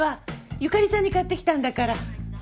由香里さんに買ってきたんだから。